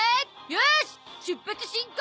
よーし出発進行！